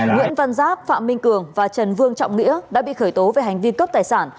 nguyễn văn giáp phạm minh cường và trần vương trọng nghĩa đã bị khởi tố về hành vi cướp tài sản